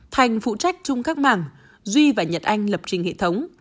thành phụ trách chung các mảng duy và nhật anh lập trình hệ thống